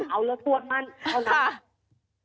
เอาละทวดมั่นเท่านั้น